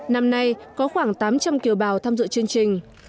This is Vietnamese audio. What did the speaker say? năm nay có khoảng tám trăm linh kiều bào tham dự chương trình